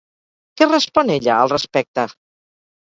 Què respon ella al respecte?